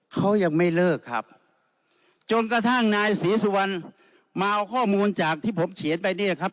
เขายังไม่เลิกครับจนกระทั่งนายศรีสุวรรณมาเอาข้อมูลจากที่ผมเขียนไปเนี่ยครับ